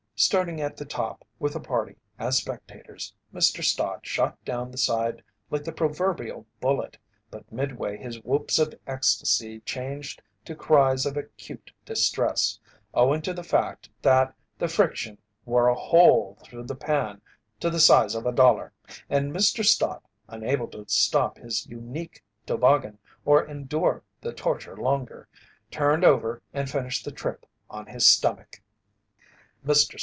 Starting at the top with the party as spectators, Mr. Stott shot down the side like the proverbial bullet, but midway his whoops of ecstasy changed to cries of acute distress, owing to the fact that the friction wore a hole through the pan to the size of a dollar, and Mr. Stott, unable to stop his unique toboggan or endure the torture longer, turned over and finished the trip on his stomach. Mr.